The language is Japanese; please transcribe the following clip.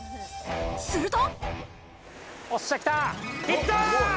すると。